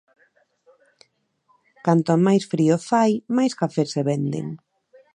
Canto máis frío fai máis cafés se venden.